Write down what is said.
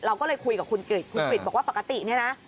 เราก็เลยคุยกับคุณกริจคุณกริจบอกว่าปกติเนี่ยนะ